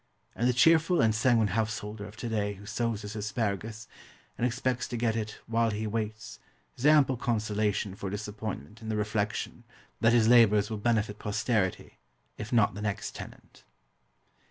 And the cheerful and sanguine householder of to day who sows his asparagus, and expects to get it "while he waits" has ample consolation for disappointment in the reflection that his labours will benefit posterity, if not the next tenant.